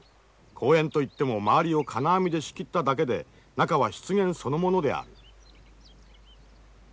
公園といっても周りを金網で仕切っただけで中は湿原そのものである。